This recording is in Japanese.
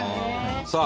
さあ